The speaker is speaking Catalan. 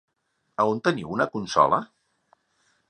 A on teniu una consola?